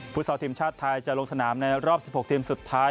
ซอลทีมชาติไทยจะลงสนามในรอบ๑๖ทีมสุดท้าย